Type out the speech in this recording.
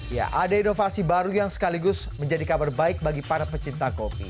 ya ada inovasi baru yang sekaligus menjadi kabar baik bagi para pecinta kopi